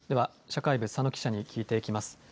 では社会部、佐野記者に聞いていきます。